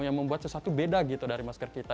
yang membuat sesuatu beda gitu dari masker kita